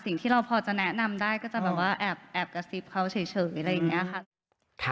สิ่งที่เราพอแนะนำได้ก็แอบ๕เขาเฉยค่ะ